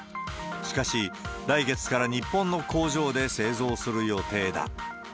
しかし、来月から日本の工場で製造する予定だ。